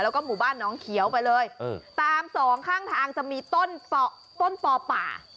แล้วก็หมู่บ้านน้องเขียวไปเลยตามสองข้างทางจะมีต้นต่อป่า